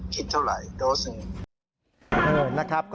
คิดเท่าไหร่โดดสึง